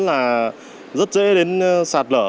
là rất dễ đến sạt lở